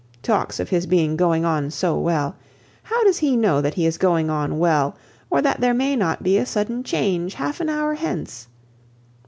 Talks of his being going on so well! How does he know that he is going on well, or that there may not be a sudden change half an hour hence?